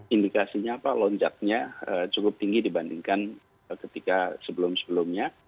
indikasinya apa lonjaknya cukup tinggi dibandingkan ketika sebelum sebelumnya